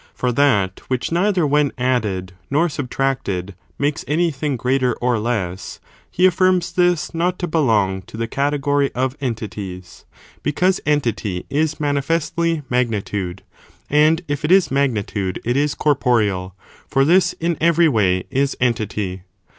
For that which neither when added nor subtracted makes anything greater or less, he affirms this not to belong to the^^ category of entities, because entity is manifestly magnitude ; and if it is magnitude it is corporeal, for this, in every way, is entity.